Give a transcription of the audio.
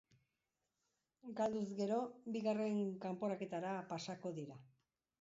Galduz gero, bigarrn kanporaketara pasako dira.